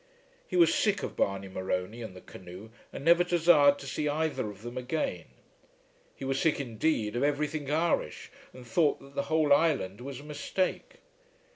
He was sick of Barney Morony and the canoe, and never desired to see either of them again. He was sick indeed, of everything Irish, and thought that the whole island was a mistake.